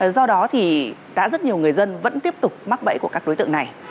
do đó thì đã rất nhiều người dân vẫn tiếp tục mắc bẫy của các đối tượng này